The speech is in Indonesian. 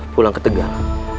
pulang ke tegal